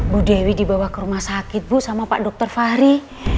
bu dewi dibawa ke rumah sakit bu sama pak dr fahri